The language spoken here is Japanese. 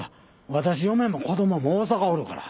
私嫁も子どもも大阪おるから。